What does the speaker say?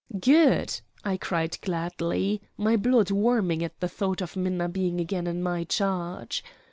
"Good!" I cried gladly, my blood warming at the thought of Minna being again in my charge.